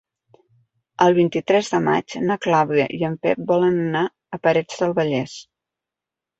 El vint-i-tres de maig na Clàudia i en Pep volen anar a Parets del Vallès.